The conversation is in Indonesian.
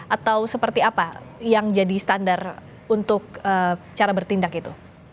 atau seperti apa yang jadi standar untuk cara bertindak itu